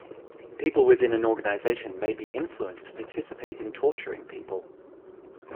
People within an organization may be influenced to participate in torturing people.